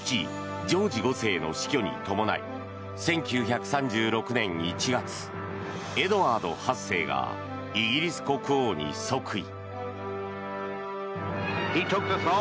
ジョージ５世の死去に伴い１９３６年１月エドワード８世がイギリス国王に即位。